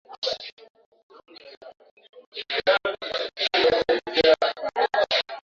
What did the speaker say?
ulimaliza kipindi cha Kiroma Kuanzia mwakaya Mia sita na arubaini